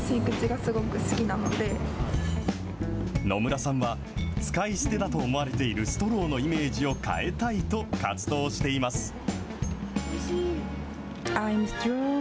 野村さんは、使い捨てだと思われているストローのイメージを変えたいと活動しています。